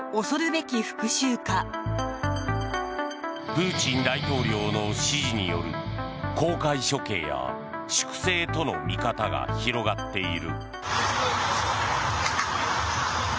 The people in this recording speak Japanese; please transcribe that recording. プーチン大統領の指示による公開処刑や粛清との見方が広がっている。